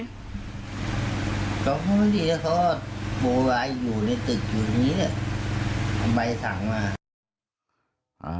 แล้วเขาก็โบราณอยู่ในตึกอยู่ตรงนี้ทำไมสั่งมา